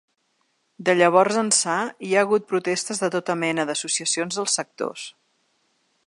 De llavors ençà, hi ha hagut protestes de tota mena d’associacions dels sectors.